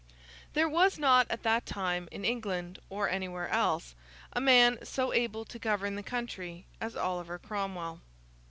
There was not at that time, in England or anywhere else, a man so able to govern the country as Oliver Cromwell.